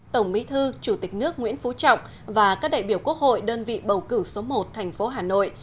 tổng bí thư chủ tịch nước nguyễn phú trọng và các đại biểu quốc hội đơn vị bầu cử số một thành phố hà nội